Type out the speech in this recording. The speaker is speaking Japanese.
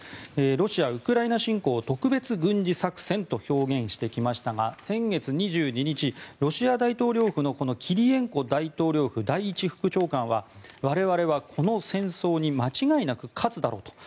ロシア、ウクライナ侵攻特別軍事作戦と表現してきましたが先月２２日、ロシア大統領府のキリエンコ大統領府第１副長官は我々は、この戦争に間違いなく勝つだろうと。